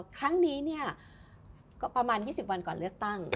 ครั้งนี้เนี่ยก็ประมาณ๒๐วันก่อนเลือกตั้ง